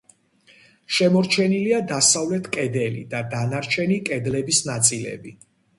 შემორჩენილია დასავლეთ კედელი და დანარჩენი კედლების ნაწილები.